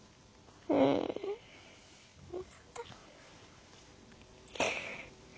うん何だろうな。